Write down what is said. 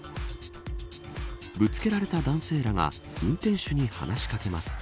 ぶつけられた男性らが運転手に話し掛けます。